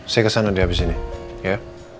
saya kesana deh habis ini ya